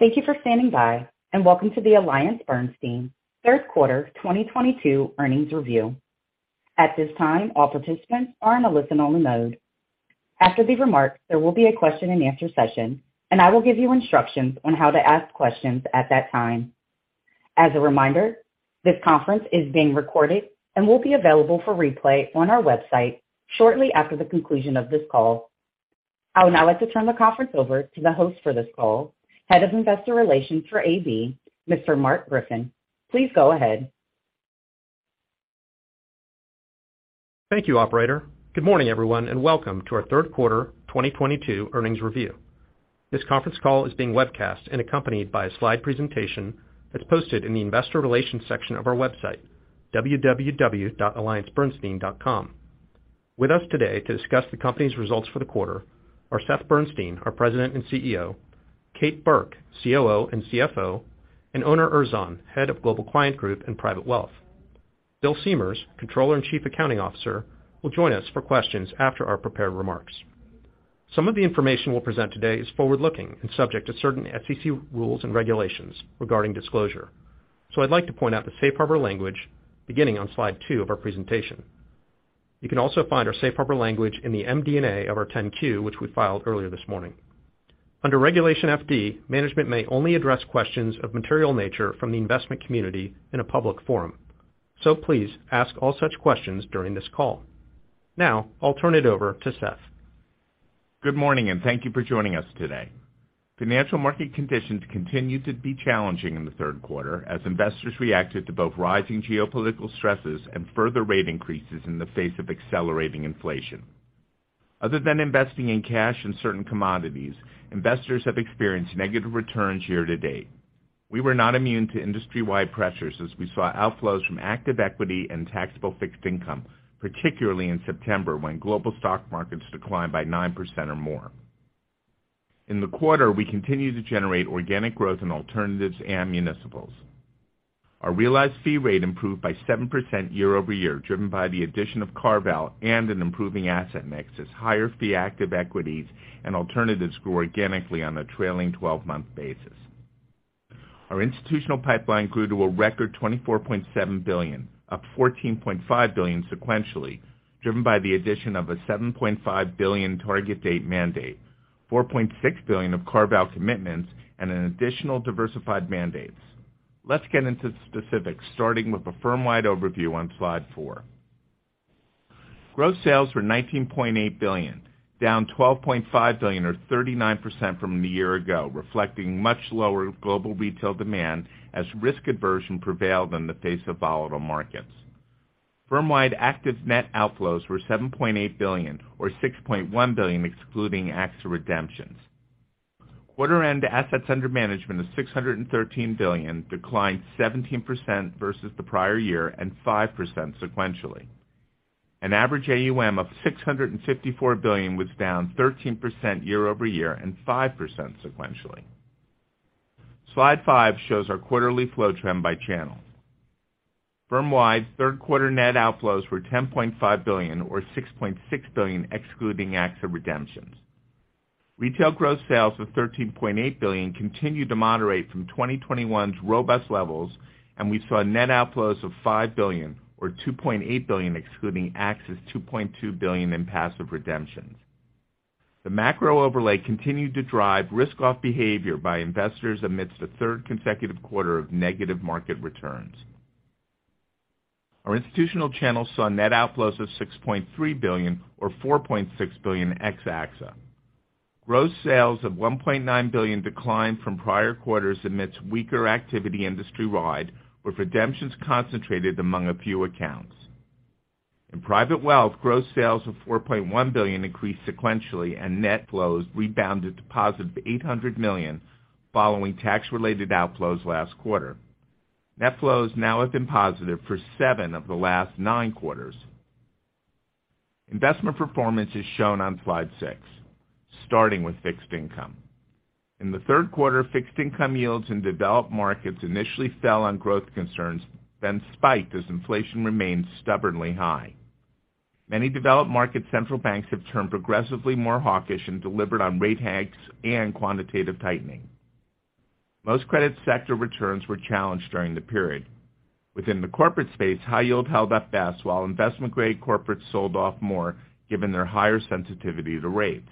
Thank you for standing by, and welcome to the AllianceBernstein Q3 2022 earnings review. At this time, all participants are in a listen-only mode. After the remarks, there will be a question and answer session, and I will give you instructions on how to ask questions at that time. As a reminder, this conference is being recorded and will be available for replay on our website shortly after the conclusion of this call. I would now like to turn the conference over to the host for this call, Head of Investor Relations for AB, Mr. Mark Griffin. Please go ahead. Thank you, operator. Good morning, everyone, and welcome to our Q3 2022 earnings review. This conference call is being webcast and accompanied by a slide presentation that's posted in the investor relations section of our website, www.alliancebernstein.com. With us today to discuss the company's results for the quarter are Seth Bernstein, our President and CEO, Kate Burke, COO and CFO, and Onur Erzan, Head of Global Client Group and Private Wealth. Bill Siemers, Controller and Chief Accounting Officer, will join us for questions after our prepared remarks. Some of the information we'll present today is forward-looking and subject to certain SEC rules and regulations regarding disclosure. I'd like to point out the safe harbor language beginning on slide two of our presentation. You can also find our safe harbor language in the MD&A of our 10-Q, which we filed earlier this morning. Under Regulation FD, management may only address questions of material nature from the investment community in a public forum. Please ask all such questions during this call. Now, I'll turn it over to Seth. Good morning, and thank you for joining us today. Financial market conditions continued to be challenging in the Q3 as investors reacted to both rising geopolitical stresses and further rate increases in the face of accelerating inflation. Other than investing in cash and certain commodities, investors have experienced negative returns year to date. We were not immune to industry-wide pressures as we saw outflows from active equity and taxable fixed income, particularly in September when global stock markets declined by 9% or more. In the quarter, we continued to generate organic growth in alternatives and municipals. Our realized fee rate improved by 7% year over year, driven by the addition of CarVal and an improving asset mix as higher fee active equities and alternatives grew organically on a trailing 12 month basis. Our institutional pipeline grew to a record $24.7 billion, up $14.5 billion sequentially, driven by the addition of a $7.5 billion target date mandate, $4.6 billion of CarVal commitments, and an additional diversified mandates. Let's get into specifics, starting with a firm-wide overview on slide four. Gross sales were $19.8 billion, down $12.5 billion or 39% from the year ago, reflecting much lower global retail demand as risk aversion prevailed in the face of volatile markets. Firm-wide active net outflows were $7.8 billion or $6.1 billion, excluding AXA redemptions. Quarter end assets under management of $613 billion declined 17% versus the prior year and 5% sequentially. An average AUM of $654 billion was down 13% year over year and 5% sequentially. Slide five shows our quarterly flow trend by channel. Firm-wide Q3 net outflows were $10.5 billion or $6.6 billion excluding AXA redemptions. Retail gross sales of $13.8 billion continued to moderate from 2021's robust levels, and we saw net outflows of $5 billion or $2.8 billion excluding AXA's $2.2 billion in passive redemptions. The macro overlay continued to drive risk-off behavior by investors amidst a third consecutive quarter of negative market returns. Our institutional channel saw net outflows of $6.3 billion or $4.6 billion ex AXA. Gross sales of $1.9 billion declined from prior quarters amidst weaker activity industry-wide, with redemptions concentrated among a few accounts. In private wealth, gross sales of $4.1 billion increased sequentially, and net flows rebounded to positive $800 million following tax-related outflows last quarter. Net flows now have been positive for seven of the last nine quarters. Investment performance is shown on slide six, starting with fixed income. In the Q3, fixed income yields in developed markets initially fell on growth concerns, then spiked as inflation remained stubbornly high. Many developed market central banks have turned progressively more hawkish and delivered on rate hikes and quantitative tightening. Most credit sector returns were challenged during the period. Within the corporate space, high yield held up best while investment-grade corporates sold off more, given their higher sensitivity to rates.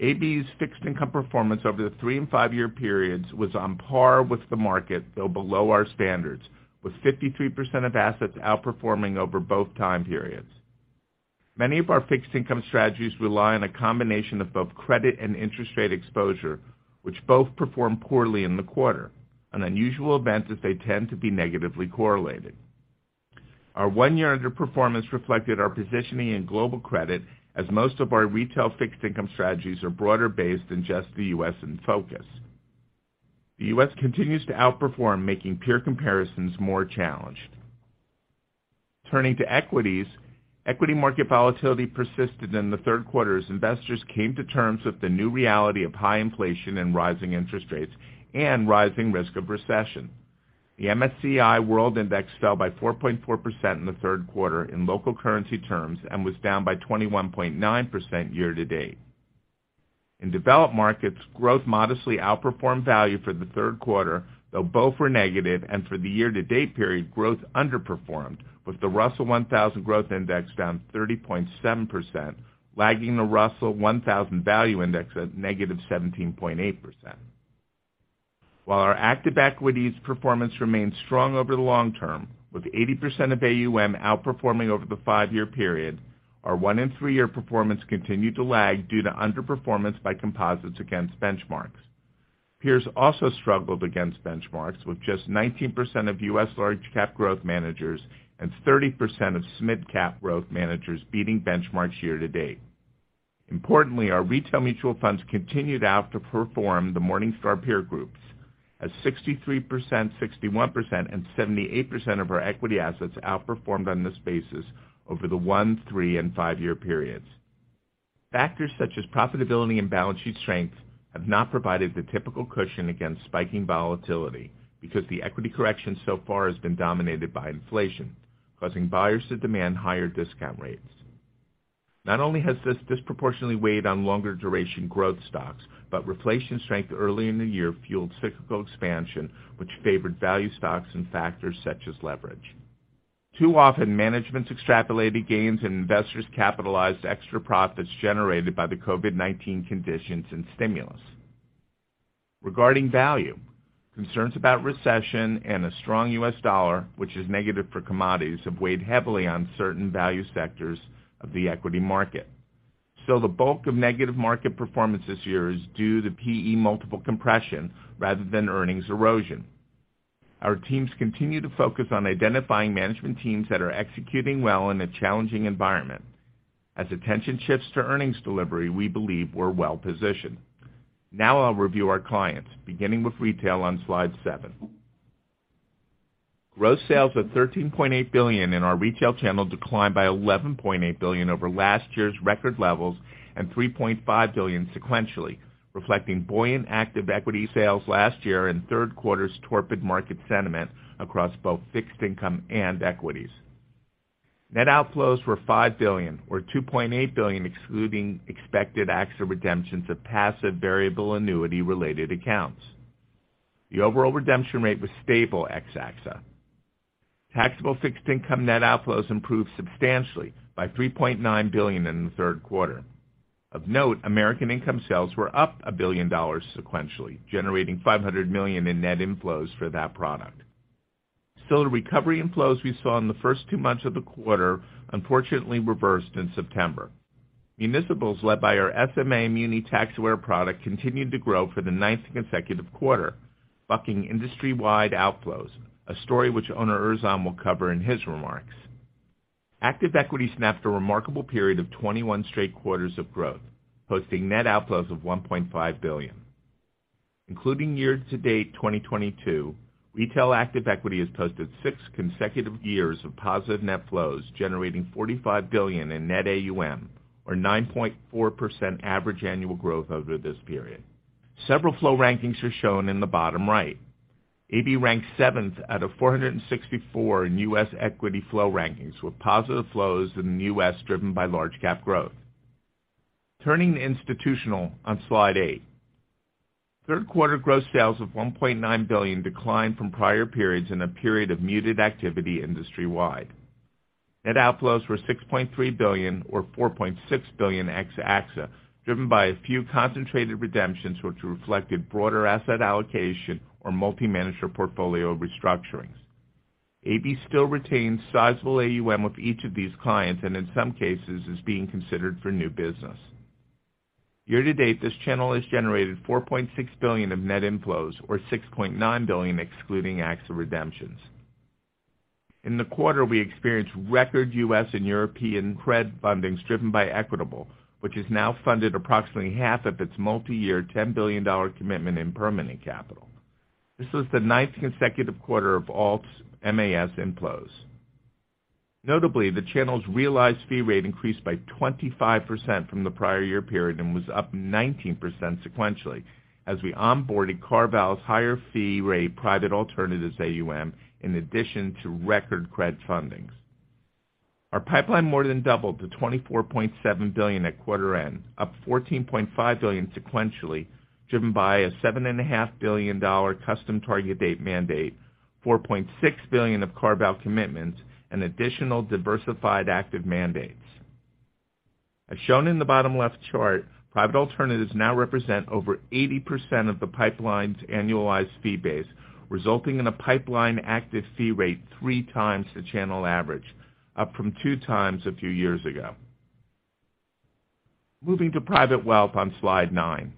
AB's fixed income performance over the three and five year periods was on par with the market, though below our standards, with 53% of assets outperforming over both time periods. Many of our fixed income strategies rely on a combination of both credit and interest rate exposure, which both performed poorly in the quarter, an unusual event as they tend to be negatively correlated. Our one-year underperformance reflected our positioning in global credit, as most of our retail fixed income strategies are broader based than just the U.S. in focus. The U.S. continues to outperform, making peer comparisons more challenged. Turning to equities, equity market volatility persisted in the Q3 as investors came to terms with the new reality of high inflation and rising interest rates and rising risk of recession. The MSCI World Index fell by 4.4% in the Q3 in local currency terms, and was down by 21.9% year-to-date. In developed markets, growth modestly outperformed value for the Q3, though both were negative and for the year-to-date period, growth underperformed, with the Russell 1,000 Growth Index down 30.7%, lagging the Russell 1,000 Value Index at -17.8%. While our active equities performance remains strong over the long term, with 80% of AUM outperforming over the five-year period, our one- and three-year performance continued to lag due to underperformance by composites against benchmarks. Peers also struggled against benchmarks, with just 19% of US large cap growth managers and 30% of mid cap growth managers beating benchmarks year-to-date. Importantly, our retail mutual funds continued to outperform the Morningstar peer groups, as 63%, 61%, and 78% of our equity assets outperformed on this basis over the one-, three-, and five-year periods. Factors such as profitability and balance sheet strength have not provided the typical cushion against spiking volatility because the equity correction so far has been dominated by inflation, causing buyers to demand higher discount rates. Not only has this disproportionately weighed on longer duration growth stocks, but reflation strength early in the year fueled cyclical expansion, which favored value stocks and factors such as leverage. Too often, managements extrapolated gains and investors capitalized extra profits generated by the COVID-19 conditions and stimulus. Regarding value, concerns about recession and a strong U.S. dollar, which is negative for commodities, have weighed heavily on certain value sectors of the equity market. The bulk of negative market performance this year is due to PE multiple compression rather than earnings erosion. Our teams continue to focus on identifying management teams that are executing well in a challenging environment. As attention shifts to earnings delivery, we believe we're well-positioned. Now I'll review our clients, beginning with retail on slide seven. Gross sales of $13.8 billion in our retail channel declined by $11.8 billion over last year's record levels and $3.5 billion sequentially, reflecting buoyant active equity sales last year and Q3's torpid market sentiment across both fixed income and equities. Net outflows were $5 billion or $2.8 billion, excluding expected AXA redemptions of passive variable annuity-related accounts. The overall redemption rate was stable ex-AXA. Taxable fixed income net outflows improved substantially by $3.9 billion in the Q3. Of note, American Income sales were up $1 billion sequentially, generating $500 million in net inflows for that product. Still, the recovery inflows we saw in the first two months of the quarter unfortunately reversed in September. Municipals, led by our SMA Muni Tax Aware product, continued to grow for the nine consecutive quarter, bucking industry-wide outflows, a story which Onur Erzan will cover in his remarks. Active equity snapped a remarkable period of 21 straight quarters of growth, posting net outflows of $1.5 billion. Including year-to-date 2022, retail active equity has posted six consecutive years of positive net flows, generating $45 billion in net AUM or 9.4% average annual growth over this period. Several flow rankings are shown in the bottom right. AB ranks seventh out of 464 in U.S. equity flow rankings, with positive flows in the U.S. driven by large cap growth. Turning to institutional on slide eight. Q3 gross sales of $1.9 billion declined from prior periods in a period of muted activity industry-wide. Net outflows were $6.3 billion or $4.6 billion ex-AXA, driven by a few concentrated redemptions which reflected broader asset allocation or multi-manager portfolio restructurings. AB still retains sizable AUM with each of these clients and in some cases, is being considered for new business. Year-to-date, this channel has generated $4.6 billion of net inflows or $6.9 billion excluding AXA redemptions. In the quarter, we experienced record US and European CRE fundings driven by Equitable, which has now funded approximately half of its multi-year $10 billion commitment in permanent capital. This was the nine consecutive quarter of Alts & MAS inflows. Notably, the channel's realized fee rate increased by 25% from the prior year period and was up 19% sequentially as we onboarded CarVal's higher fee rate private alternatives AUM in addition to record CRE fundings. Our pipeline more than doubled to $24.7 billion at quarter end, up $14.5 billion sequentially, driven by a $7 and a half billion dollar custom target date mandate, $4.6 billion of CarVal commitments, and additional diversified active mandates. As shown in the bottom left chart, private alternatives now represent over 80% of the pipeline's annualized fee base, resulting in a pipeline active fee rate three times the channel average, up from two times a few years ago. Moving to private wealth on slide nine.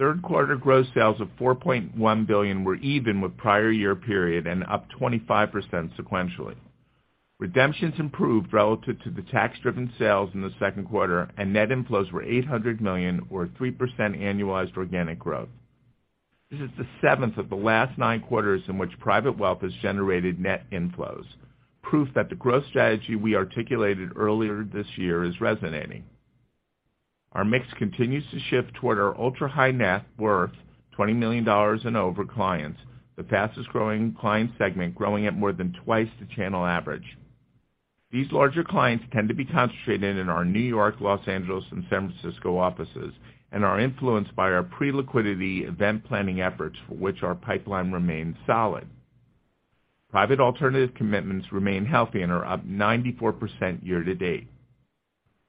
Q3 gross sales of $4.1 billion were even with prior year period and up 25% sequentially. Redemptions improved relative to the tax-driven sales in the Q2, and net inflows were $800 million or 3% annualized organic growth. This is the seventh of the last nine quarters in which private wealth has generated net inflows, proof that the growth strategy we articulated earlier this year is resonating. Our mix continues to shift toward our ultra-high net worth, $20 million and over clients, the fastest-growing client segment growing at more than twice the channel average. These larger clients tend to be concentrated in our New York, Los Angeles, and San Francisco offices, and are influenced by our pre-liquidity event planning efforts for which our pipeline remains solid. Private alternatives commitments remain healthy and are up 94% year to date.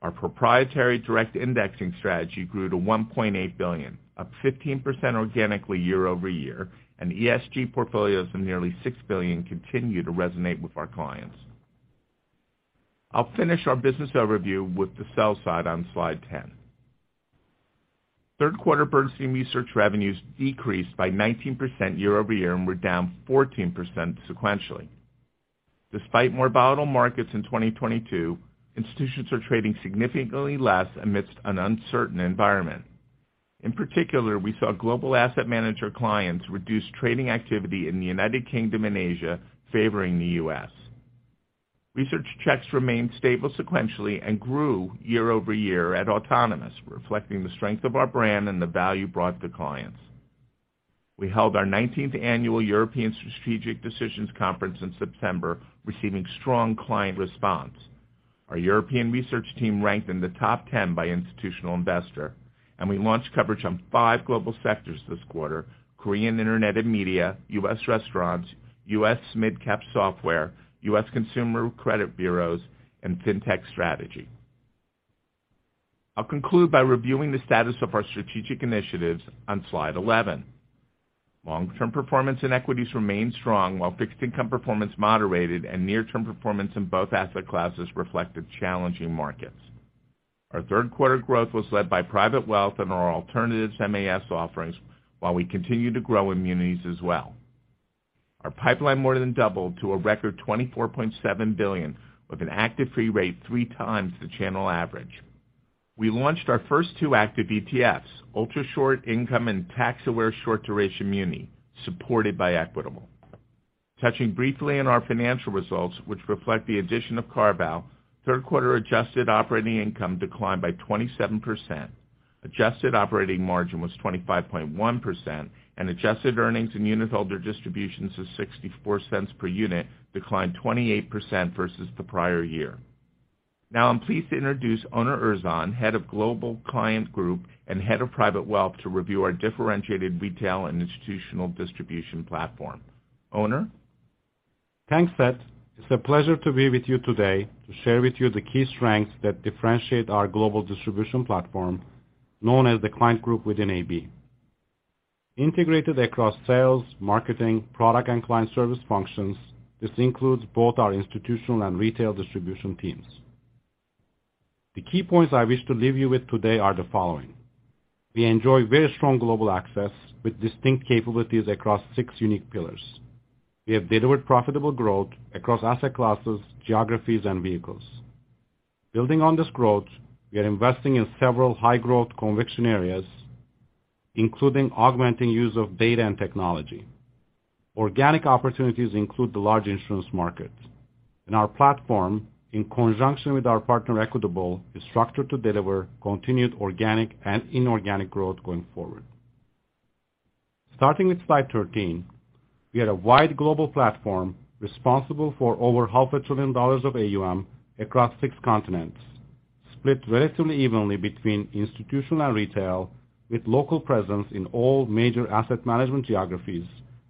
Our proprietary direct indexing strategy grew to $1.8 billion, up 15% organically year-over-year, and ESG portfolios of nearly $6 billion continue to resonate with our clients. I'll finish our business overview with the sell side on slide 10. Q3 Bernstein Research revenues decreased by 19% year-over-year and were down 14% sequentially. Despite more volatile markets in 2022, institutions are trading significantly less amidst an uncertain environment. In particular, we saw global asset manager clients reduce trading activity in the United Kingdom and Asia, favoring the U.S. Research checks remained stable sequentially and grew year-over-year at Autonomous Research, reflecting the strength of our brand and the value brought to clients. We held our 19th annual European Strategic Decisions Conference in September, receiving strong client response. Our European research team ranked in the top ten by Institutional Investor, and we launched coverage on five global sectors this quarter, Korean Internet and media, U.S. restaurants, U.S. mid-cap software, U.S. consumer credit bureaus, and Fintech strategy. I'll conclude by reviewing the status of our strategic initiatives on slide 11. Long-term performance in equities remained strong while fixed income performance moderated and near-term performance in both asset classes reflected challenging markets. Our Q3 growth was led by private wealth and our Alts & MAS offerings, while we continue to grow annuities as well. Our pipeline more than doubled to a record $24.7 billion with an active fee rate three times the channel average. We launched our first two active ETFs, Ultra Short Income and Tax-Aware Short Duration Muni, supported by Equitable. Touching briefly on our financial results, which reflect the addition of CarVal, Q3 adjusted operating income declined by 27%. Adjusted operating margin was 25.1%, and adjusted earnings and unitholder distributions of $0.64 per unit declined 28% versus the prior year. Now I'm pleased to introduce Onur Erzan, Head of Global Client Group and Head of Private Wealth, to review our differentiated retail and institutional distribution platform. Onur. Thanks, Seth. It's a pleasure to be with you today to share with you the key strengths that differentiate our global distribution platform, known as the client group within AB. Integrated across sales, marketing, product, and client service functions, this includes both our institutional and retail distribution teams. The key points I wish to leave you with today are the following. We enjoy very strong global access with distinct capabilities across six unique pillars. We have delivered profitable growth across asset classes, geographies, and vehicles. Building on this growth, we are investing in several high-growth conviction areas, including augmenting use of data and technology. Organic opportunities include the large insurance market. Our platform, in conjunction with our partner, Equitable, is structured to deliver continued organic and inorganic growth going forward. Starting with slide 13, we had a wide global platform responsible for over half a trillion dollars of AUM across six continents. Split relatively evenly between institutional retail with local presence in all major asset management geographies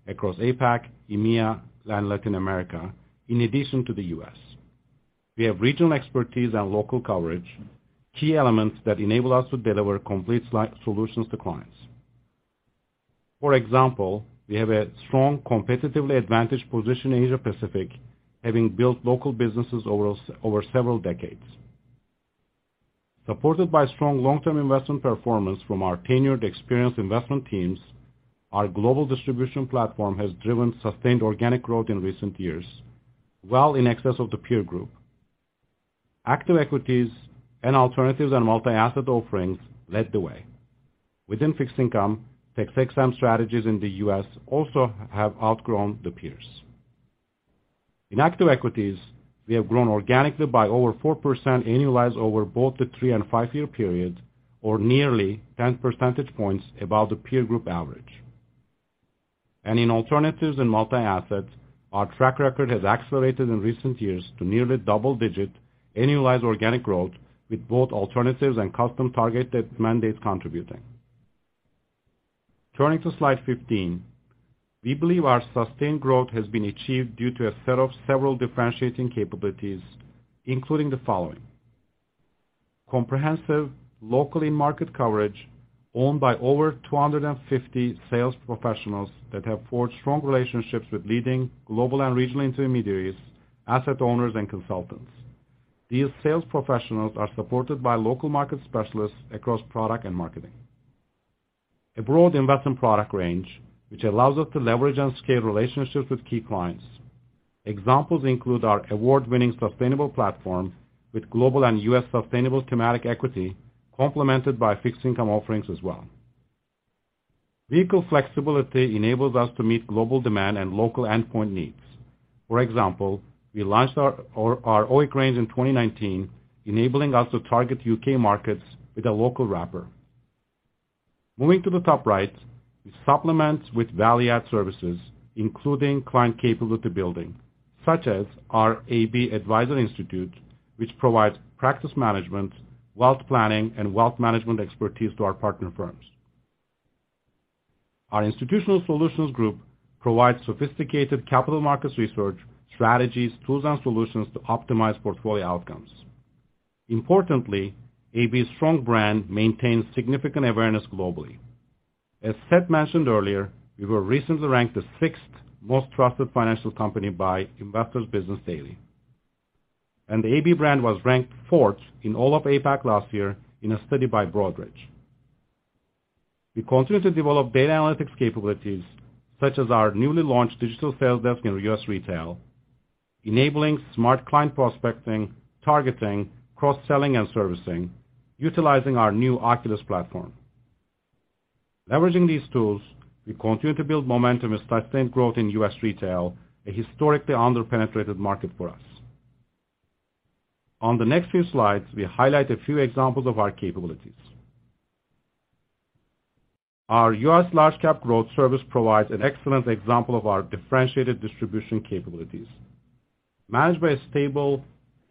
across APAC, EMEA, and Latin America, in addition to the US. We have regional expertise and local coverage, key elements that enable us to deliver complete solutions to clients. For example, we have a strong competitively advantaged position in Asia-Pacific, having built local businesses over several decades. Supported by strong long-term investment performance from our tenured experienced investment teams, our global distribution platform has driven sustained organic growth in recent years, well in excess of the peer group. Active equities and alternatives and multi-asset offerings led the way. Within fixed income, tax-aware strategies in the US also have outgrown the peers. In active equities, we have grown organically by over 4% annualized over both the three- and five-year period, or nearly 10 percentage points above the peer group average. In alternatives and multi-asset, our track record has accelerated in recent years to nearly double-digit annualized organic growth with both alternatives and custom-targeted mandates contributing. Turning to slide 15, we believe our sustained growth has been achieved due to a set of several differentiating capabilities, including the following. Comprehensive local market coverage owned by over 250 sales professionals that have forged strong relationships with leading global and regional intermediaries, asset owners, and consultants. These sales professionals are supported by local market specialists across product and marketing. A broad investment product range, which allows us to leverage and scale relationships with key clients. Examples include our award-winning sustainable platform with global and U.S. sustainable thematic equity, complemented by fixed income offerings as well. Vehicle flexibility enables us to meet global demand and local endpoint needs. For example, we launched our OEIC range in 2019, enabling us to target U.K. markets with a local wrapper. Moving to the top right, we supplement with value-add services, including client capability building, such as our AB Advisor Institute, which provides practice management, wealth planning, and wealth management expertise to our partner firms. Our institutional solutions group provides sophisticated capital markets research, strategies, tools, and solutions to optimize portfolio outcomes. Importantly, AB's strong brand maintains significant awareness globally. As Seth mentioned earlier, we were recently ranked the sixth most trusted financial company by Investor's Business Daily. The AB brand was ranked fourth in all of APAC last year in a study by Broadridge. We continue to develop data analytics capabilities, such as our newly launched digital sales desk in US retail, enabling smart client prospecting, targeting, cross-selling, and servicing, utilizing our new Oculus platform. Leveraging these tools, we continue to build momentum and sustain growth in US retail, a historically under-penetrated market for us. On the next few slides, we highlight a few examples of our capabilities. Our US Large Cap Growth service provides an excellent example of our differentiated distribution capabilities. Managed by a stable,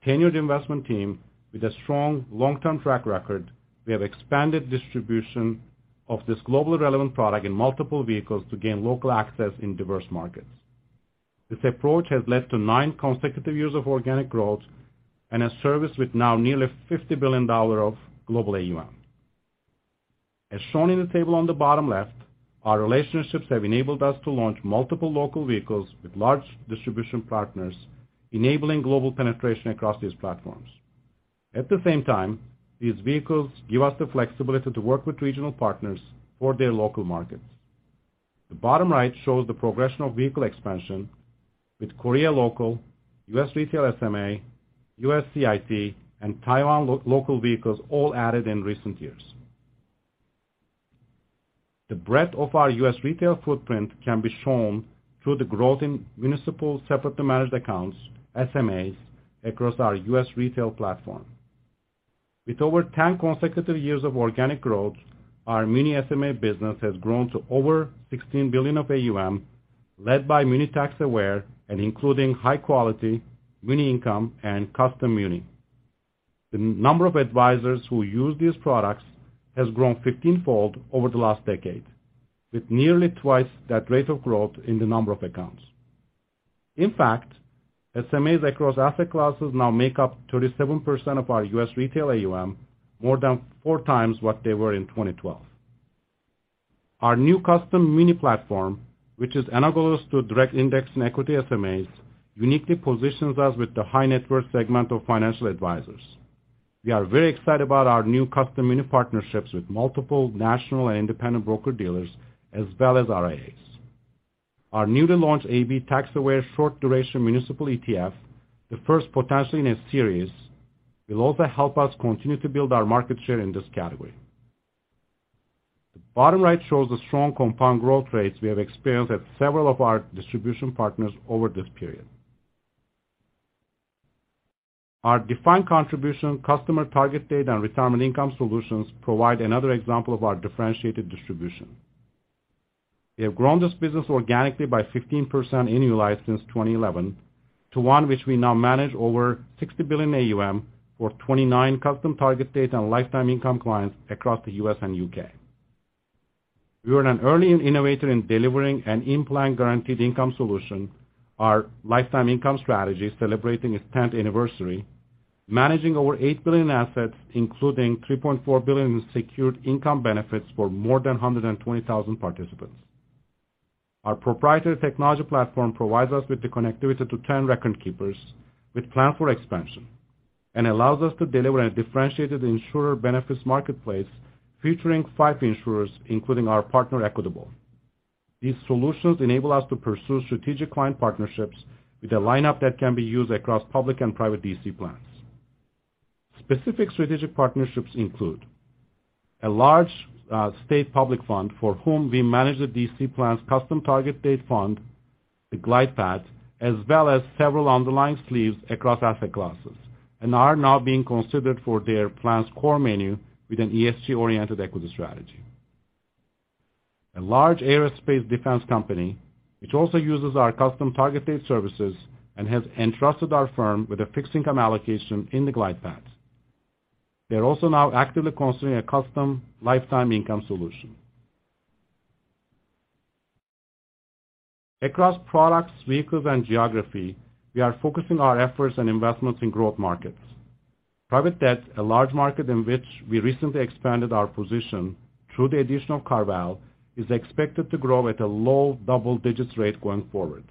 tenured investment team with a strong long-term track record, we have expanded distribution of this globally relevant product in multiple vehicles to gain local access in diverse markets. This approach has led to nine consecutive years of organic growth and a service with now nearly $50 billion of global AUM. As shown in the table on the bottom left, our relationships have enabled us to launch multiple local vehicles with large distribution partners, enabling global penetration across these platforms. At the same time, these vehicles give us the flexibility to work with regional partners for their local markets. The bottom right shows the progression of vehicle expansion with Korea local, U.S. Retail SMA, U.S. CIT, and Taiwan local vehicles all added in recent years. The breadth of our U.S. retail footprint can be shown through the growth in municipal separately managed accounts, SMAs, across our U.S. retail platform. With over 10 consecutive years of organic growth, our Muni SMA business has grown to over $16 billion of AUM, led by Muni Tax-Aware and including high-quality Muni Income and Custom Muni. The number of advisors who use these products has grown 15-fold over the last decade, with nearly twice that rate of growth in the number of accounts. In fact, SMAs across asset classes now make up 37% of our U.S. retail AUM, more than four times what they were in 2012. Our new Custom Muni platform, which is analogous to direct indexing and equity SMAs, uniquely positions us with the high net worth segment of financial advisors. We are very excited about our new Custom Muni partnerships with multiple national and independent broker-dealers, as well as RIAs. Our newly launched AB Tax-Aware Short Duration Municipal ETF, the first potentially in a series, will also help us continue to build our market share in this category. The bottom right shows the strong compound growth rates we have experienced at several of our distribution partners over this period. Our defined contribution, customer target date, and retirement income solutions provide another example of our differentiated distribution. We have grown this business organically by 15% annualized since 2011 to 2021 which we now manage over $60 billion AUM for 29 custom target date and Lifetime Income clients across the U.S. and U.K. We are an early innovator in delivering an in-plan guaranteed income solution, our Lifetime Income Strategy celebrating its 10th anniversary, managing over $8 billion assets, including $3.4 billion in secured income benefits for more than 120,000 participants. Our proprietary technology platform provides us with the connectivity to 10 record keepers with plan for expansion and allows us to deliver a differentiated insurer benefits marketplace featuring five insurers, including our partner, Equitable. These solutions enable us to pursue strategic client partnerships with a lineup that can be used across public and private DC plans. Specific strategic partnerships include a large state public fund for whom we manage the DC plan's custom target date fund, the Glide Path, as well as several underlying sleeves across asset classes, and are now being considered for their plan's core menu with an ESG-oriented equity strategy. A large aerospace defense company, which also uses our custom target date services and has entrusted our firm with a fixed income allocation in the Glide Path. They're also now actively considering a custom lifetime income solution. Across products, vehicles, and geography, we are focusing our efforts and investments in growth markets. Private debt, a large market in which we recently expanded our position through the addition of CarVal, is expected to grow at a low double-digits rate going forward.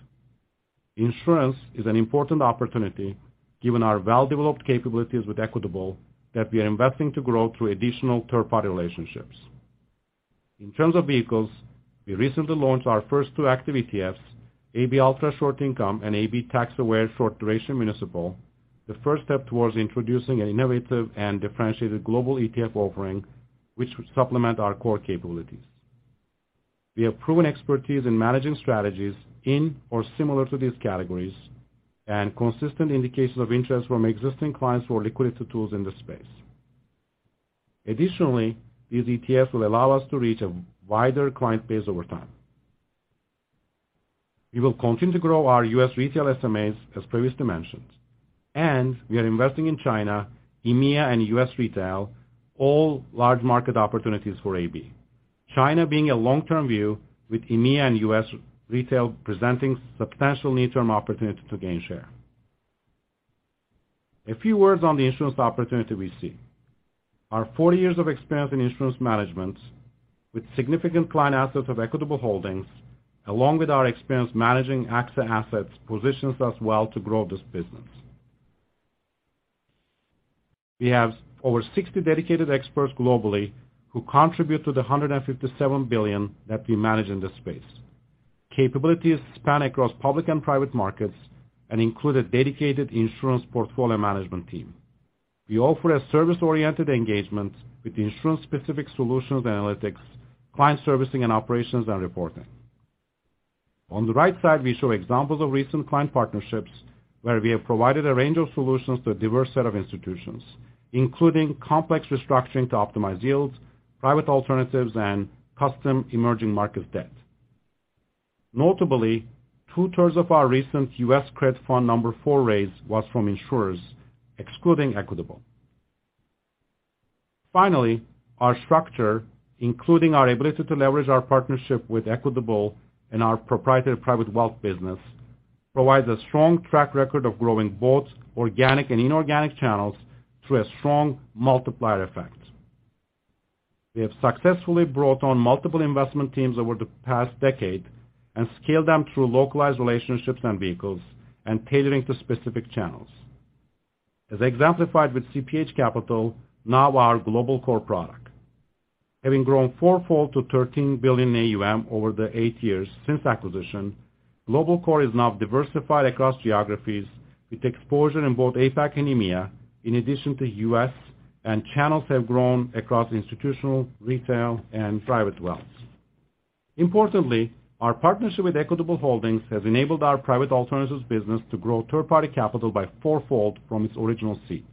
Insurance is an important opportunity given our well-developed capabilities with Equitable that we are investing to grow through additional third-party relationships. In terms of vehicles, we recently launched our first two active ETFs, AB Ultra Short Income and AB Tax-Aware Short Duration Municipal. The first step towards introducing an innovative and differentiated global ETF offering, which would supplement our core capabilities. We have proven expertise in managing strategies in or similar to these categories, and consistent indications of interest from existing clients for liquidity tools in this space. Additionally, these ETFs will allow us to reach a wider client base over time. We will continue to grow our U.S. retail SMAs, as previously mentioned, and we are investing in China, EMEA, and U.S. retail, all large market opportunities for AB. China being a long-term view with EMEA and U.S. retail presenting substantial near-term opportunity to gain share. A few words on the insurance opportunity we see. Our 40 years of experience in insurance management with significant client assets of Equitable Holdings, along with our experience managing AXA assets, positions us well to grow this business. We have over 60 dedicated experts globally who contribute to the $157 billion that we manage in this space. Capabilities span across public and private markets and include a dedicated insurance portfolio management team. We offer a service-oriented engagement with insurance-specific solutions, analytics, client servicing and operations, and reporting. On the right side, we show examples of recent client partnerships where we have provided a range of solutions to a diverse set of institutions, including complex restructuring to optimize yields, private alternatives, and custom emerging market debt. Notably, 2/3 of our recent US CRE Debt Fund IV raise was from insurers, excluding Equitable. Finally, our structure, including our ability to leverage our partnership with Equitable and our proprietary private wealth business, provides a strong track record of growing both organic and inorganic channels through a strong multiplier effect. We have successfully brought on multiple investment teams over the past decade and scaled them through localized relationships and vehicles and tailoring to specific channels. As exemplified with CPH Capital, now our Global Core product, having grown four-fold to $13 billion AUM over the eight years since acquisition, Global Core is now diversified across geographies with exposure in both APAC and EMEA, in addition to US, and channels have grown across institutional, retail, and private wealth. Importantly, our partnership with Equitable Holdings has enabled our private alternatives business to grow third-party capital by four-fold from its original seed.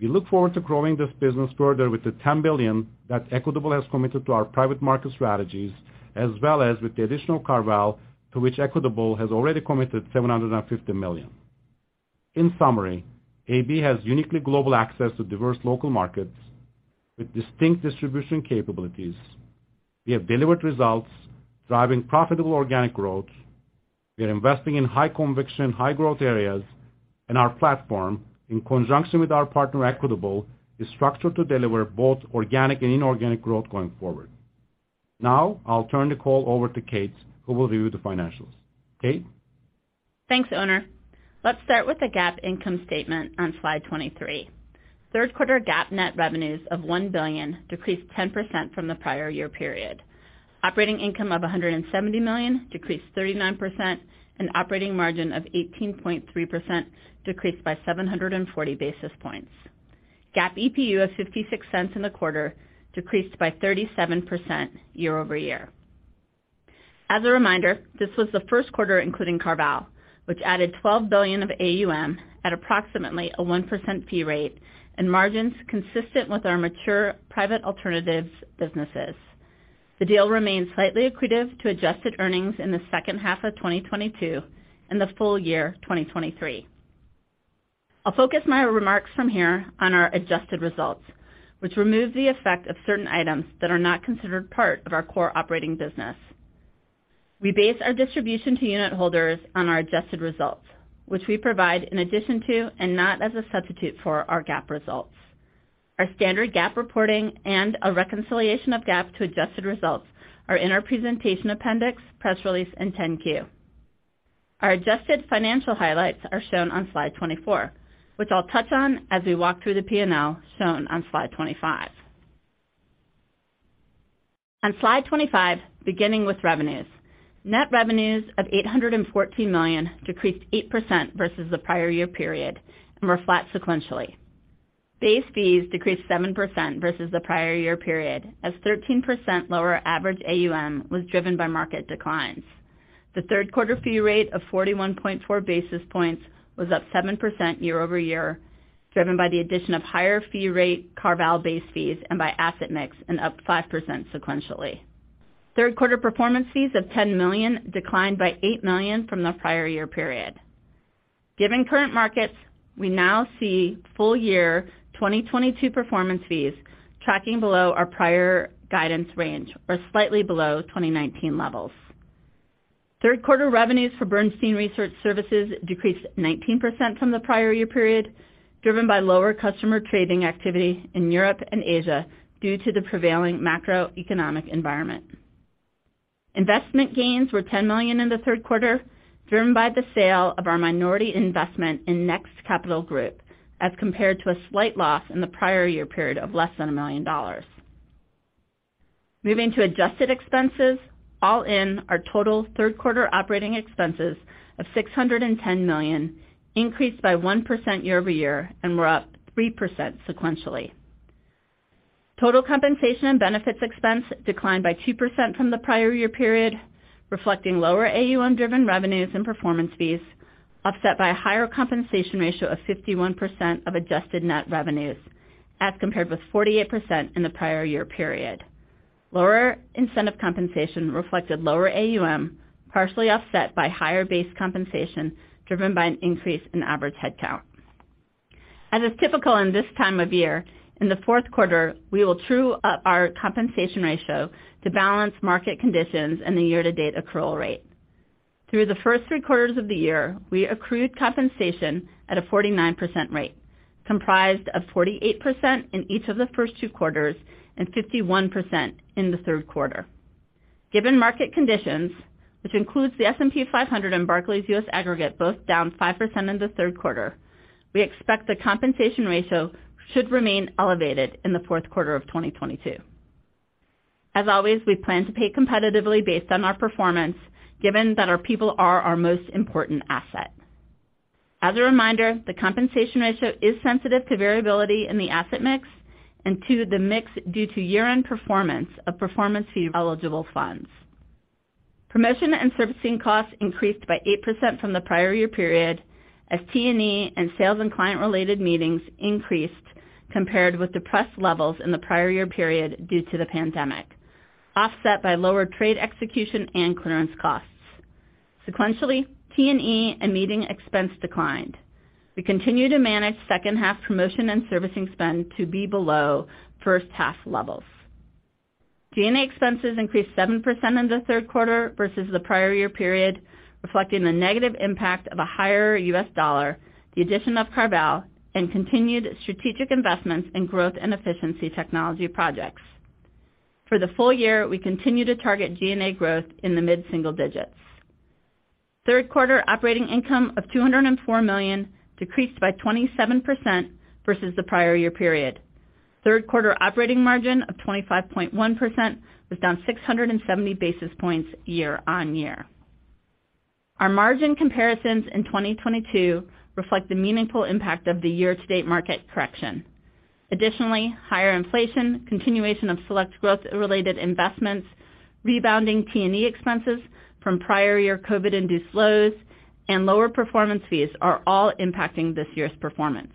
We look forward to growing this business further with the $10 billion that Equitable has committed to our private market strategies, as well as with the additional CarVal, to which Equitable has already committed $750 million. In summary, AB has uniquely global access to diverse local markets with distinct distribution capabilities. We have delivered results driving profitable organic growth. We are investing in high conviction, high growth areas, and our platform, in conjunction with our partner, Equitable, is structured to deliver both organic and inorganic growth going forward. Now, I'll turn the call over to Kate, who will review the financials. Kate? Thanks, Onur. Let's start with the GAAP income statement on slide 23. Q3 GAAP net revenues of $1 billion decreased 10% from the prior year period. Operating income of $170 million decreased 39%, and operating margin of 18.3% decreased by 740 basis points. GAAP EPU of $0.56 in the quarter decreased by 37% year over year. As a reminder, this was the Q1 including CarVal, which added $12 billion of AUM at approximately a 1% fee rate and margins consistent with our mature private alternatives businesses. The deal remains slightly accretive to adjusted earnings in the second half of 2022 and the full year 2023. I'll focus my remarks from here on our adjusted results, which remove the effect of certain items that are not considered part of our core operating business. We base our distribution to unit holders on our adjusted results, which we provide in addition to and not as a substitute for our GAAP results. Our standard GAAP reporting and a reconciliation of GAAP to adjusted results are in our presentation appendix, press release, and 10-Q. Our adjusted financial highlights are shown on slide 24, which I'll touch on as we walk through the P&L shown on slide 25. On slide 25, beginning with revenues. Net revenues of $814 million decreased 8% versus the prior year period and were flat sequentially. Base fees decreased 7% versus the prior year period, as 13% lower average AUM was driven by market declines. The Q3 fee rate of 41.4 basis points was up 7% year-over-year, driven by the addition of higher fee rate CarVal base fees and by asset mix, and up 5% sequentially. Q3 performance fees of $10 million declined by $8 million from the prior year period. Given current markets, we now see full year 2022 performance fees tracking below our prior guidance range or slightly below 2019 levels. Q3 revenues for Bernstein Research services decreased 19% from the prior year period, driven by lower customer trading activity in Europe and Asia due to the prevailing macroeconomic environment. Investment gains were $10 million in the Q3, driven by the sale of our minority investment in NextCapital Group, as compared to a slight loss in the prior year period of less than $1 million. Moving to adjusted expenses, all in our total Q3 operating expenses of $610 million increased by 1% year-over-year and were up 3% sequentially. Total compensation and benefits expense declined by 2% from the prior year period, reflecting lower AUM-driven revenues and performance fees, offset by a higher compensation ratio of 51% of adjusted net revenues, as compared with 48% in the prior year period. Lower incentive compensation reflected lower AUM, partially offset by higher base compensation, driven by an increase in average headcount. As is typical in this time of year, in the Q4, we will true up our compensation ratio to balance market conditions and the year-to-date accrual rate. Through the first three quarters of the year, we accrued compensation at a 49% rate, comprised of 48% in each of the first two quarters and 51% in the Q3. Given market conditions, which includes the S&P 500 and Barclays U.S. Aggregate, both down 5% in the Q3, we expect the compensation ratio should remain elevated in the Q4 of 2022. As always, we plan to pay competitively based on our performance, given that our people are our most important asset. As a reminder, the compensation ratio is sensitive to variability in the asset mix and to the mix due to year-end performance of performance fee-eligible funds. Promotion and servicing costs increased by 8% from the prior year period, as T&E and sales and client-related meetings increased compared with depressed levels in the prior year period due to the pandemic, offset by lower trade execution and clearance costs. Sequentially, T&E and meeting expense declined. We continue to manage second half promotion and servicing spend to be below first half levels. G&A expenses increased 7% in the Q3 versus the prior year period, reflecting the negative impact of a higher U.S. dollar, the addition of CarVal, and continued strategic investments in growth and efficiency technology projects. For the full year, we continue to target G&A growth in the mid-single digits. Q3 operating income of $204 million decreased by 27% versus the prior year period. Q3 operating margin of 25.1% was down 670 basis points year-on-year. Our margin comparisons in 2022 reflect the meaningful impact of the year-to-date market correction. Additionally, higher inflation, continuation of select growth-related investments, rebounding T&E expenses from prior year COVID-induced lows, and lower performance fees are all impacting this year's performance.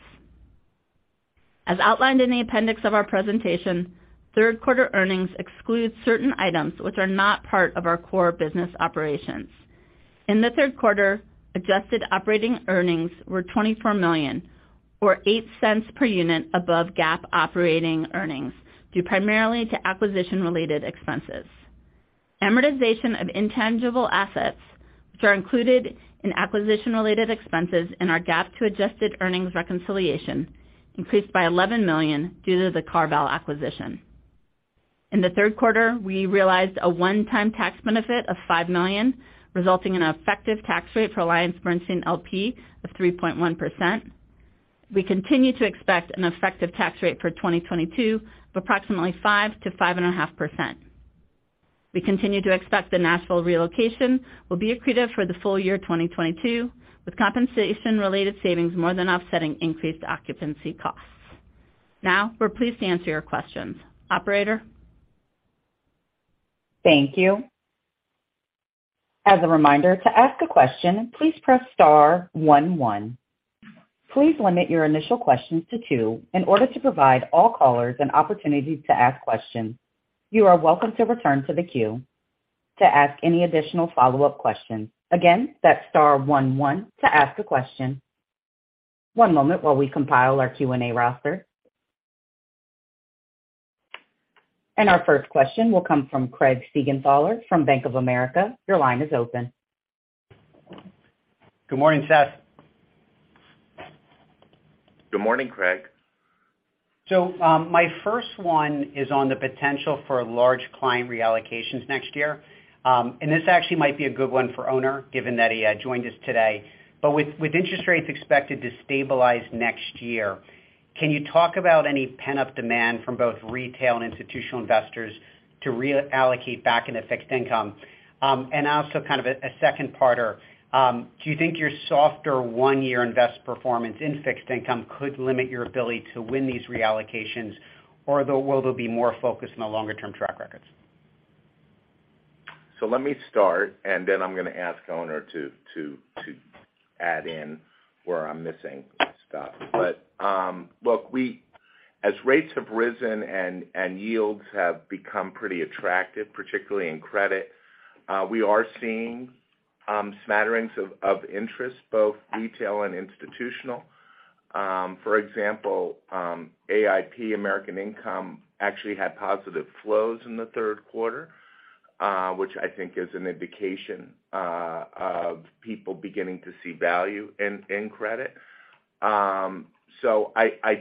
As outlined in the appendix of our presentation, Q3 earnings exclude certain items which are not part of our core business operations. In the Q3, adjusted operating earnings were $24 million, or $0.08 per unit above GAAP operating earnings, due primarily to acquisition-related expenses. Amortization of intangible assets, which are included in acquisition-related expenses in our GAAP to adjusted earnings reconciliation, increased by $11 million due to the CarVal acquisition. In the Q3, we realized a one-time tax benefit of $5 million, resulting in an effective tax rate for AllianceBernstein L.P. of 3.1%. We continue to expect an effective tax rate for 2022 of approximately 5% to 5.5%. We continue to expect the Nashville relocation will be accretive for the full year 2022, with compensation-related savings more than offsetting increased occupancy costs. Now we're pleased to answer your questions. Operator? Thank you. As a reminder, to ask a question, please press star one one. Please limit your initial questions to two in order to provide all callers an opportunity to ask questions. You are welcome to return to the queue to ask any additional follow-up questions. Again, that's star one one to ask a question. One moment while we compile our Q&A roster. Our first question will come from Craig Siegenthaler from Bank of America. Your line is open. Good morning, Seth. Good morning, Craig. My first one is on the potential for large client reallocations next year. This actually might be a good one for Onur Erzan, given that he joined us today. With interest rates expected to stabilize next year, can you talk about any pent-up demand from both retail and institutional investors to reallocate back into fixed income? Also kind of a second part, do you think your softer one-year investment performance in fixed income could limit your ability to win these reallocations, or though will they be more focused on the longer-term track records? Let me start, and then I'm gonna ask Onur to add in where i'm missing stuff. Look, as rates have risen and yields have become pretty attractive, particularly in credit, we are seeing smatterings of interest, both retail and institutional. For example, AB American Income actually had positive flows in the Q3, which I think is an indication of people beginning to see value in credit. I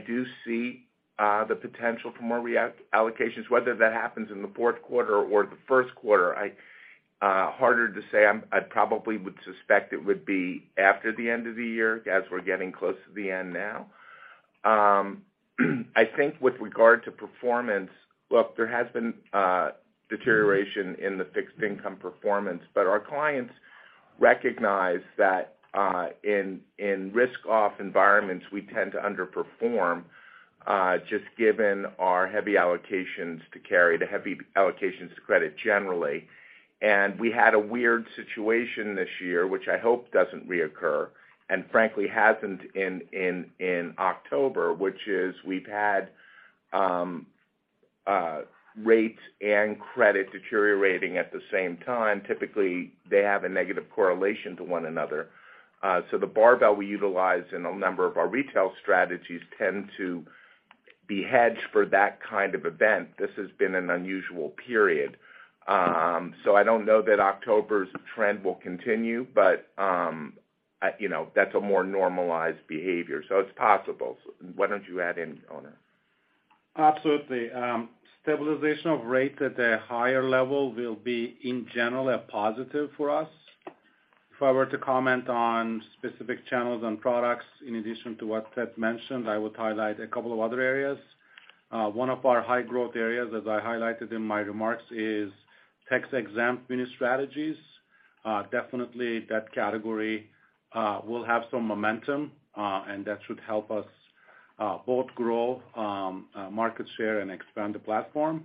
do see the potential for more reallocations whether that happens in the Q4 or the Q1, harder to say. I'd probably suspect it would be after the end of the year, as we're getting close to the end now. I think with regard to performance, look, there has been deterioration in the fixed income performance, but our clients recognize that in risk off environments, we tend to underperform, just given our heavy allocations to credit generally. We had a weird situation this year, which I hope doesn't reoccur, and frankly hasn't in October, which is we've had rates and credit deteriorating at the same time typically, they have a negative correlation to one another. The barbell we utilize in a number of our retail strategies tend to be hedged for that kind of event this has been an unusual period. I don't know that October's trend will continue, but, I, you know, that's a more normalized behavior, so it's possible. Why don't you add in, Onur? Absolutely. Stabilization of rates at a higher level will be, in general, a positive for us. If I were to comment on specific channels and products, in addition to what Seth mentioned, I would highlight a couple of other areas. One of our high-growth areas, as I highlighted in my remarks, is tax-exempt muni strategies. Definitely that category will have some momentum, and that should help us both grow market share and expand the platform.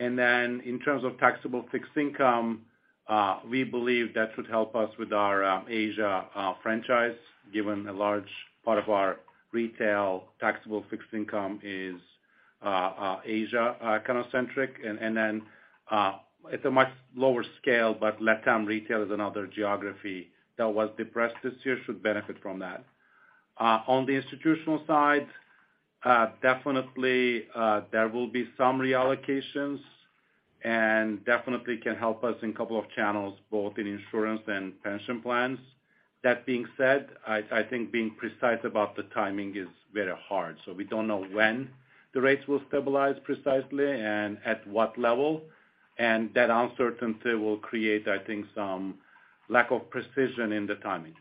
Then in terms of taxable fixed income, we believe that should help us with our Asia franchise, given a large part of our retail taxable fixed income is Asia kind of centric and then, it's a much lower scale, but LATAM retail is another geography that was depressed this year, should benefit from that. On the institutional side, definitely, there will be some reallocations, and definitely can help us in a couple of channels, both in insurance and pension plans. That being said, I think being precise about the timing is very hard we don't know when the rates will stabilize precisely and at what level, and that uncertainty will create, I think, some lack of precision in the timing.